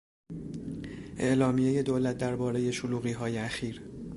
اعلامیهی دولت دربارهی شلوغیهای اخیر